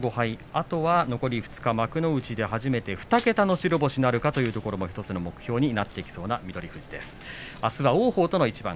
あとは残り２日幕内で初めての２桁の白星になるのか１つの目標になっていきそうな翠富士です。